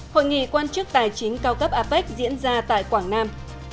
hội nghị quan chức tài chính cao cấp apec diễn ra tại quảng nam